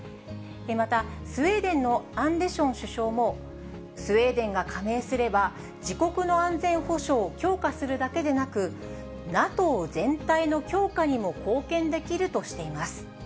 また、スウェーデンのアンデション首相も、スウェーデンが加盟すれば、自国の安全保障を強化するだけでなく、ＮＡＴＯ全体の強化にも貢献できるとしています。